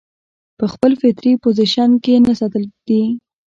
پۀ خپل فطري پوزيشن کښې نۀ ساتل دي